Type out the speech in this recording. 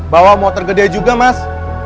bawa motor gede juga mas